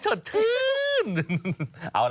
อ๋อเฉิน